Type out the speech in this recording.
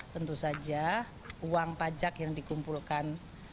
tentu saja uang pajak yang dikumpulkan